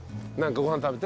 ご飯食べて。